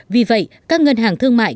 vì vậy các ngân hàng thương mại